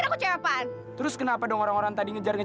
udah setelah ada yang nyetak lagi